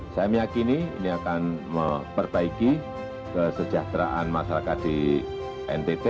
saya meyakini ini akan memperbaiki kesejahteraan masyarakat di ntt